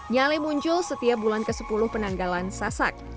nyale muncul setiap bulan ke sepuluh penanggalan sasak